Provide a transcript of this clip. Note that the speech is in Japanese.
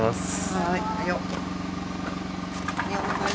はい。